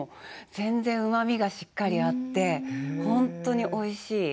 全然うまみがしっかりあって本当においしい。